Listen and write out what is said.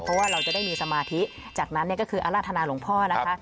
เพราะว่าเราจะได้มีสมาธิจากนั้นก็คืออาราธนาหลวงพ่อนะคะ